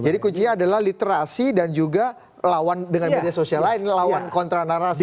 jadi kuncinya adalah literasi dan juga lawan dengan media sosial lain lawan kontra narasi